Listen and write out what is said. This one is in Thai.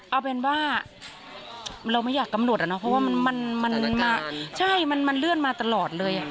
เอาเป็นว่าเราไม่อยากกำหนดอะเนาะเพราะว่ามันใช่มันเลื่อนมาตลอดเลย